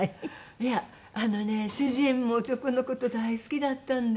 いやあのね主人もチョコの事大好きだったんで。